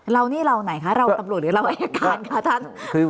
เรานี่เราไหนคะเราตำรวจหรือเราอายการคะท่าน